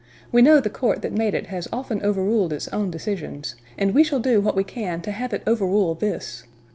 We know the court that made it has often overruled its own decisions, and we shall do what we can to have it overrule this.